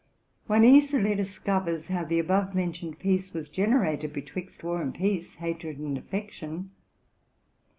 One easily discovers how the above mentioned piece was generated betwixt war and peace, hatred and affection.